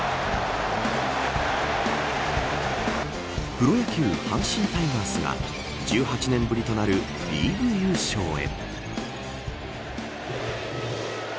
プロ野球、阪神タイガースが１８年ぶりとなるリーグ優勝へ。